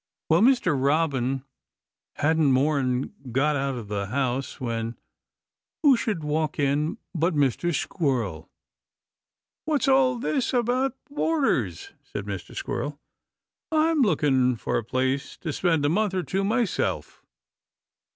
Well, Mr. Robin hadn't more'n got out of the house when who should walk in but Mr. Squirrel. "What's all this about boarders?" said Mr. Squirrel. "I'm looking for a place to spend a month or two myself."